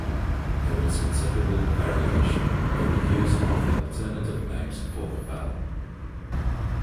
There is considerable variation over use of the alternative names for the fell.